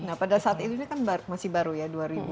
nah pada saat ini kan masih baru ya dua ribu empat belas